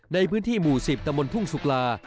ในพื้นที่หมู่๑๐ตะบนทุ่งสุลา